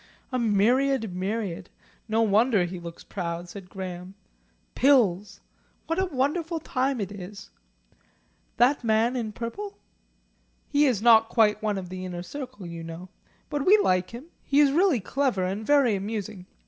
"A myriad myriad. No wonder he looks proud," said Graham. "Pills! What a wonderful time it is! That man in purple?" "He is not quite one of the inner circle, you know. But we like him. He is really clever and very amusing.